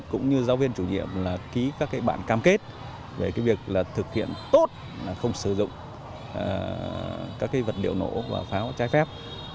cũng như giáo viên chủ nhiệm là ký các bạn cam kết về việc thực hiện tốt không sử dụng các vật liệu nổ và pháo trái phép